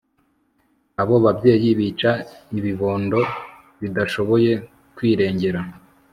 abo babyeyi bica ibibondo bidashoboye kwirengera